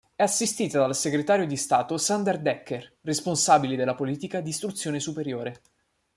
È assistita dal segretario di stato Sander Dekker, responsabile della politica di istruzione superiore.